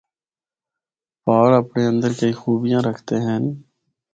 پہاڑ اپنڑے اندر کئی خوبیاں رکھدے ہن۔